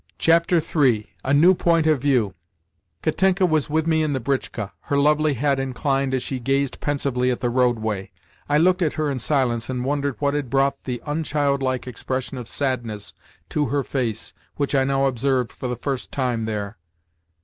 III. A NEW POINT OF VIEW Katenka was with me in the britchka; her lovely head inclined as she gazed pensively at the roadway. I looked at her in silence and wondered what had brought the unchildlike expression of sadness to her face which I now observed for the first time there.